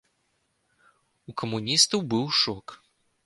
У камуністаў быў шок.